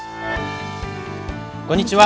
こんにちは。